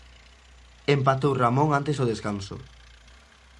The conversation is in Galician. Empatou Ramón antes do descanso.